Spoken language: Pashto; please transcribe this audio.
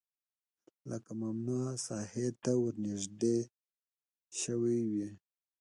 لکه ممنوعه ساحې ته ورنژدې شوی وي